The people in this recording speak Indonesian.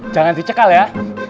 jangan dicekal ya